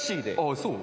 そう？